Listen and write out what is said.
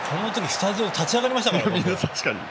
スタジオ立ち上がりました。